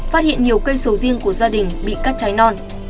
phát hiện nhiều cây sầu riêng của gia đình bị cắt cháy non